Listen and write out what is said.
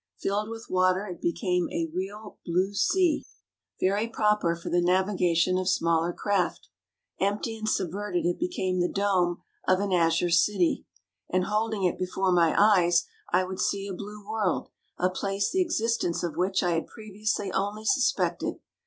Filled with water it became a real blue sea, very proper for 60 THE DAY BEFOEE YESTERDAY the navigation of smaller craft. Empty and subverted it became the dome of an azure city. And holding it before my eyes I would see a blue world, a place the exist ence of which I had previously only sus pected.